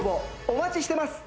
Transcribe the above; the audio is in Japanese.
お待ちしてます